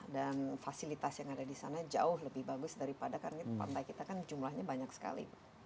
fasilitas yang ada di sana jauh lebih bagus daripada karena pantai kita kan jumlahnya banyak sekali